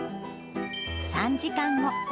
３時間後。